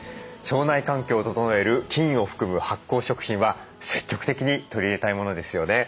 腸内環境を整える菌を含む発酵食品は積極的に取り入れたいものですよね。